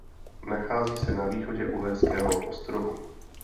Nachází se na východě Uherského Ostrohu.